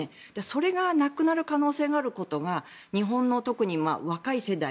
それがなくなる可能性があることが日本の特に若い世代